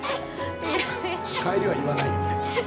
帰りは言わないんだね。